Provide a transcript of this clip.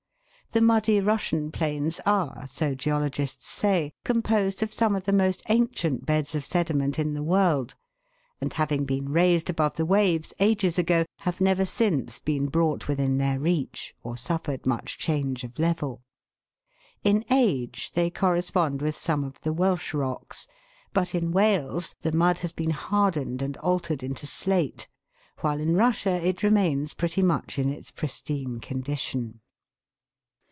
The muddy Russian plains are, so geologists say, composed of some of the most ancient beds of sediment in the world, and having been raised above the waves ages ago, have never since been brought within their reach or suffered much change of level. In age they corre spond with some of the Welsh rocks, but in Wales the mud has been hardened and altered into slate, while in Russia it remains pretty much in its pristine condition.